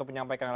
dpr